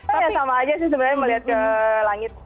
ya sama aja sih sebenarnya melihat ke langit